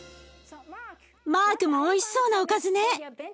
マークもおいしいそうなおかずね。